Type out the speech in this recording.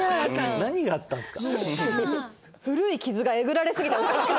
何があったんですか。